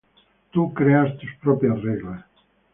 Tú, creas tus propias reglas.